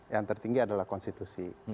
yang tertinggi adalah konstitusi